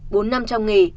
bốn năm trong nghề